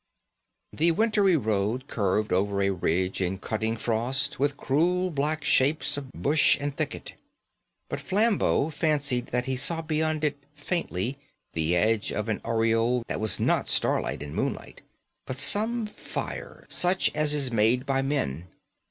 The wintry road curved over a ridge in cutting frost, with cruel black shapes of bush and thicket; but Flambeau fancied that he saw beyond it faintly the edge of an aureole that was not starlight and moonlight, but some fire such as is made by men.